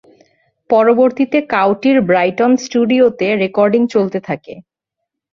পরবর্তীতে কাউটির ব্রাইটন স্টুডিওতে রেকর্ডিং চলতে থাকে।